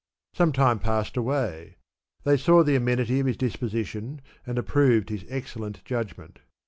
Some time passed away; they saw the amenity of his disposition, and approved his excellent judgment.